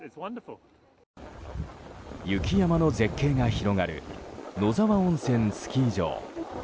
雪山の絶景が広がる野沢温泉スキー場。